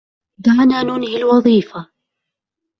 دعنا ننهي الوظيفة..